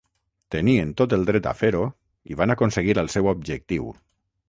Tenien tot el dret a fer-ho i van aconseguir el seu objectiu.